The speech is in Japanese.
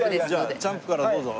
じゃあチャンプからどうぞ。